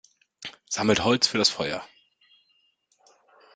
Sammelt Holz für das Feuer!